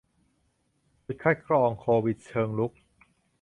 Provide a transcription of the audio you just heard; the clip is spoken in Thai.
จุดคัดกรองโควิดเชิงรุก